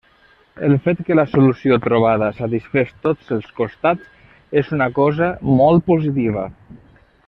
El fet que la solució trobada satisfés tots els costats és una cosa molt positiva.